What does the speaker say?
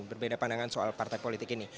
berbeda pandangan soal partai politik ini